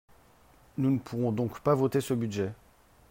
Nous ne pourrons donc pas voter ce budget.